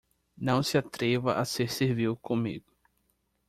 Não se atreva a ser civil comigo!